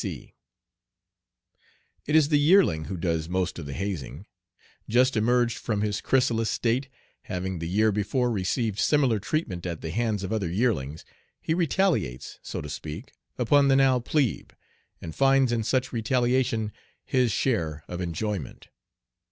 S. C. C.) It is the yearling who does most of the hazing. Just emerged from his chrysalis state, having the year before received similar treatment at the hands of other yearlings, he retaliates, so to speak, upon the now plebe, and finds in such retaliation his share of enjoyment.